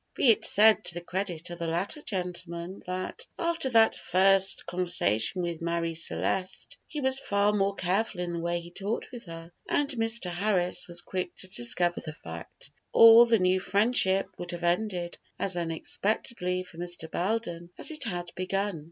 Be it said to the credit of the latter gentleman that, after that first conversation with Marie Celeste, he was far more careful in the way he talked with her, and Mr. Harris was quick to discover the fact, or the new friendship would have ended as unexpectedly for Mr. Belden as it had begun.